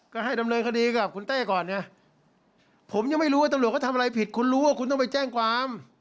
ก็ให้ดำเนินคดีกับคุณเต้ก่อนไงผมยังไม่รู้ว่าตำรวจเขาทำอะไรผิดคุณรู้ว่าคุณต้องไปแจ้งความ